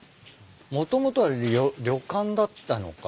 もともとは旅館だったのか。